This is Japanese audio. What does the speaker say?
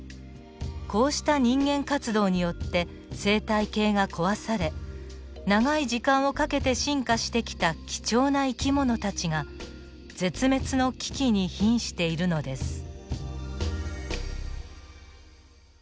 こうした人間活動によって生態系が壊され長い時間をかけて進化してきた貴重な生き物たちが絶滅の危機にひんしているのです。